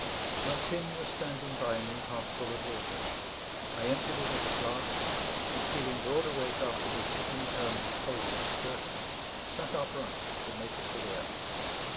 My tin was standing by me half full of water. I emptied it at a draught; and feeling broad awake after this internal cold aspersion, sat upright to make a cigarette.